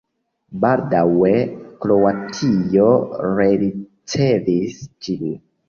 Baldaŭe Kroatio rericevis ĝin.